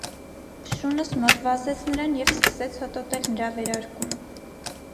Շունս մոտ վազեց նրան և սկսեց հոտոտել նրա վերարկուն: